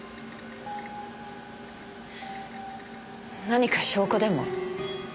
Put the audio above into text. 何か証拠でも？